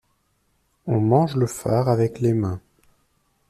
On mange le far avec les mains.